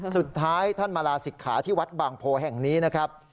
สุดท้ายท่านมาลาศิกขาที่วัดบางโพแห่งนี้นะครับ